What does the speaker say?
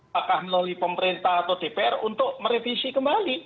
apakah melalui pemerintah atau dpr untuk merevisi kembali